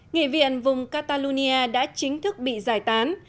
nghị viện vùng catalonia đã chính thức bị giải tán